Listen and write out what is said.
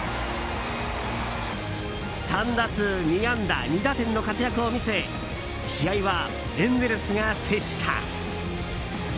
３打数２安打２打点の活躍を見せ試合はエンゼルスが制した。